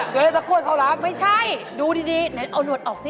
เดี๋ยวให้นักก้วยเข้าร้ำไม่ใช่ดูดีไหนเอาหนวดออกซิ